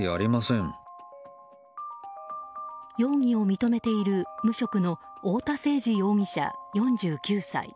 容疑を認めている無職の太田誠二容疑者、４９歳。